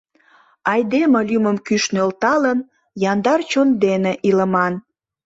Айдеме лӱмым кӱш нӧлталын, Яндар чон дене илыман.